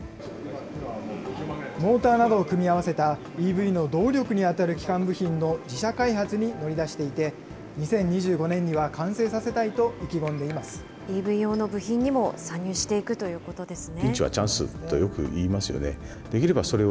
モーターなどを組み合わせたＥＶの動力に当たる基幹部品の自社開発に乗り出していて、２０２５年には完成させたいと意気込んＥＶ用の部品にも参入していくということですね。